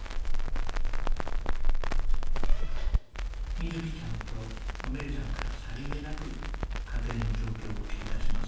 みずきちゃんとお姉ちゃんからさりげなく家庭の状況を聞き出します。